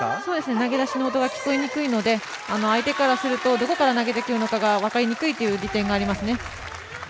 投げ出しの音が聞こえにくいので相手からするとどこから投げてくるのかが分かりにくいという利点がありますね。